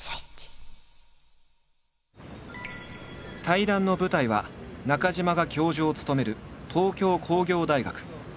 対談の舞台は中島が教授を務める東京工業大学。